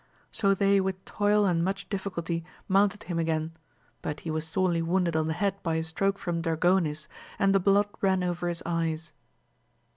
So they with toil and much difficulty mounted him again, but he was sorely wounded on the head by a stroke from Dragonis, and tiie blood ran over his eyes.